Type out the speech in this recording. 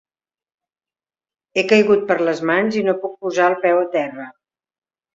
He caigut per les mans i no puc posar el peu a terra.